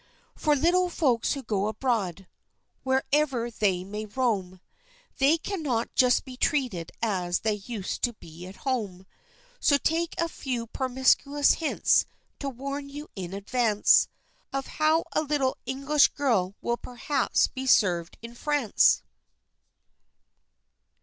For little folks who go abroad, wherever they may roam, They cannot just be treated as they used to be at home; So take a few promiscuous hints, to warn you in advance, Of how a little English girl will perhaps be served in France!